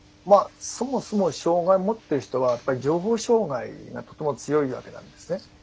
そもそも障害をもっている人はやっぱり情報障害がとても強いわけなんですね。